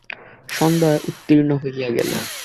সন্ধ্যা উত্তীর্ণ হইয়া গেল।